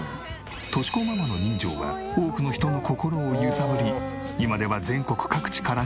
敏子ママの人情は多くの人の心を揺さぶり今では全国各地から支援が。